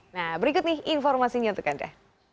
nah berikut nih informasinya untuk anda